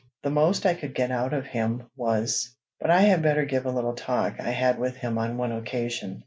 The most I could get out of him was but I had better give a little talk I had with him on one occasion.